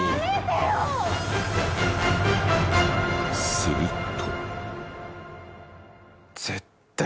すると。